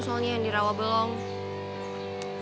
soalnya yang dirawa belum